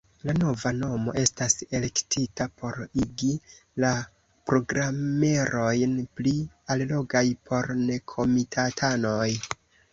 La nova nomo estas elektita por igi la programerojn pli allogaj por nekomitatanoj.